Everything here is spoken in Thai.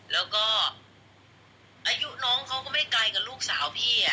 แล้วก็อายุน้องเขาก็ไม่ไกลกับลูกสาวพี่